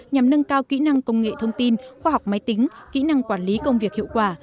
nhằm nâng cao kỹ năng công nghệ thông tin khoa học máy tính kỹ năng quản lý công việc hiệu quả